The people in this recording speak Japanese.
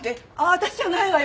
私じゃないわよ！